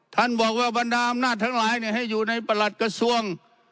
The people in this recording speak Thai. ท่านบอกว่าบรรดาอำนาจทั้งหลายให้อยู่ในประหลัดกระทรวง